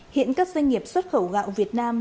hiện các doanh nghiệp xuất khẩu gạo việt nam